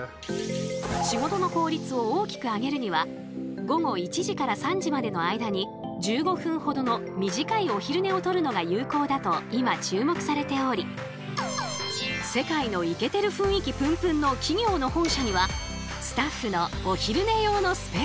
仕事の効率を大きく上げるには午後１時から３時までの間に１５分ほどの短いお昼寝をとるのが有効だと今注目されており世界のイケてる雰囲気プンプンの企業の本社にはスタッフのお昼寝用のスペースが。